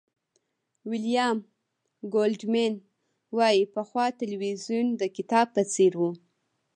ویلیام گولډمېن وایي پخوا تلویزیون د کتاب په څېر و.